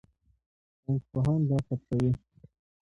ساینسپوهان دا ثبتوي.